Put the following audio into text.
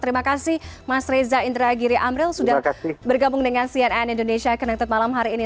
terima kasih mas reza indragiri amril sudah bergabung dengan cnn indonesia connected malam hari ini